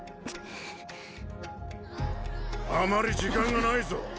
あまり時間がないぞ。